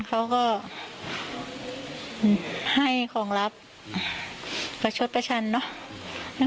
เขาก็ให้ของลับประชดประชันเนอะ